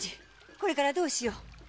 これからどうしよう。